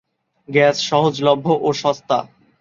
Gas সহজলভ্য ও সস্তা।